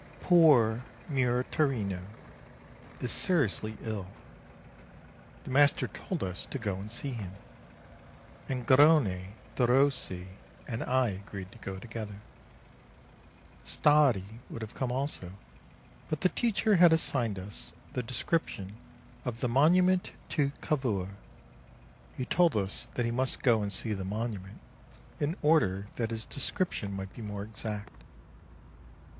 Poor "Muratorino" is seriously ill; the master told us to go and see him; and Garrone, Derossi, and I agreed to go together. Stardi would have come also, but the teacher had assigned us the description of The Monument to Cavour, he told us that he must go and see the monument, in order that his description might be more exact.